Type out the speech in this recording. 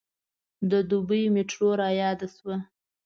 د دوبۍ میټرو رایاده شوه.